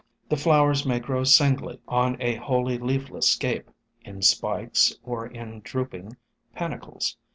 The flowers may grow singly, on a wholly leafless scape, in spikes or in droop ing panicles.